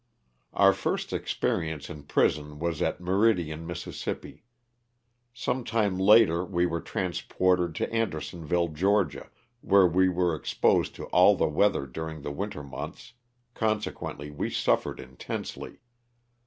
Our first experience in prison was at Meridian, Miss. Sometime It^ter we were transported to Ander sonville, Ga., where we were exposed to all the weather during the winter months, consequently we suffered intensely.